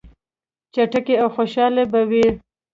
چکې او خوشحالي به وه.